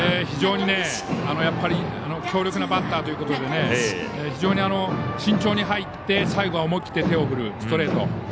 非常に強力なバッターということで非常に慎重に入って最後は思い切って手を振るストレート。